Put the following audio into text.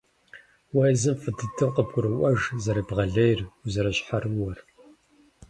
Уэ езым фӏы дыдэу къыбгуроӏуэж зэребгъэлейр, узэрыщхьэрыуэр.